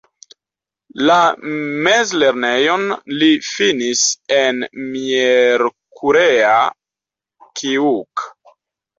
La mezlernejon li finis en Miercurea Ciuc.